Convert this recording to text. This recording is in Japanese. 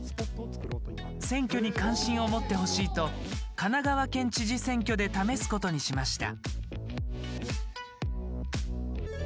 選挙に関心を持ってほしいと神奈川県知事選挙で試すことにしました。